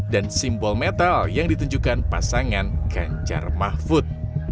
dan simbol metal yang ditunjukkan pasangan ngejar mahfud